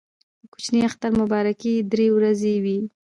د کوچني اختر مبارکي درې ورځې وي.